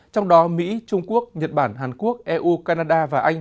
trong đó mỹ trung quốc nhật bản hàn quốc eu canada và anh